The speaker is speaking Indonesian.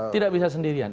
tidak bisa sendirian